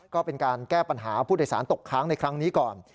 ก็เป็นการแก้ปัญหาผู้โดยสารตกค้างในครั้งนี้ก่อน